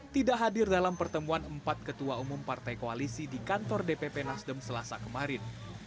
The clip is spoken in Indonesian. tidak hadir dalam pertemuan empat ketua umum partai koalisi di kantor dpp nasdem selasa kemarin